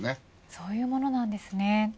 そういうものなんですね。